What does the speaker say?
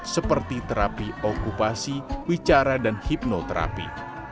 seperti terapi okupasi wicara dan hipnoterapi